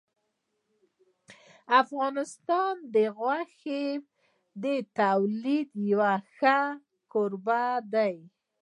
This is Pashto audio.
افغانستان د غوښې د تولید یو ښه کوربه دی.